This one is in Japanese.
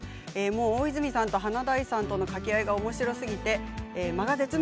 大泉さんと華大さんとの掛け合いがおもしろすぎて間が絶妙。